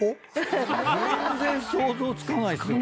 全然想像つかないっすよね。